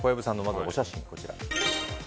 お写真がこちら。